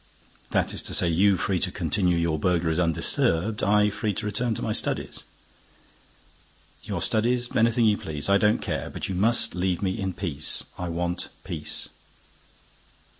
"That is to say, you free to continue your burglaries undisturbed, I free to return to my studies." "Your studies—anything you please—I don't care. But you must leave me in peace—I want peace."